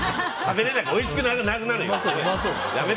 おいしくなくなるよ。